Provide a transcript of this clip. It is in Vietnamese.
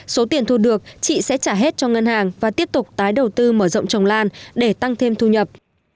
số tiền thu được chị sẽ trả hết cho ngân hàng và tiếp tục tái đầu tư mở rộng trồng lan để tăng thêm thu nhập